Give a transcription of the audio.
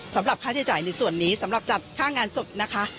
สำหรับค่าใช้จ่ายในส่วนนี้สำหรับจัดค่างานศพนะคะ